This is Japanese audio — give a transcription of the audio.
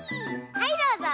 はいどうぞ。